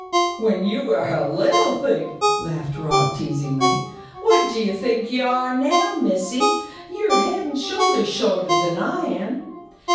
"When you were a little thing!" laughed Rob, teasingly. "What do you think you are now, missy? You're head and shoulders shorter than I am."